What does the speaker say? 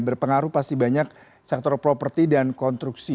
berpengaruh pasti banyak sektor properti dan konstruksi